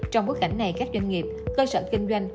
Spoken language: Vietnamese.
trong bối cảnh này các doanh nghiệp cơ sở kinh doanh